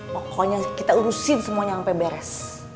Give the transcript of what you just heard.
pokoknya kita urusin semuanya sampai beres